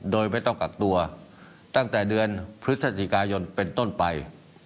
โดยไม่ต้องกักตัวตั้งแต่เดือนพฤศจิกายนเป็นต้นไป